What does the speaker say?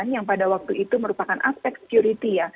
yang pada waktu itu merupakan aspek security ya